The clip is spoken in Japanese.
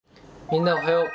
みんなおはよう。